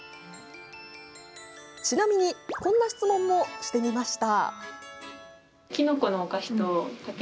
ちなみにこんな質問もしてみました。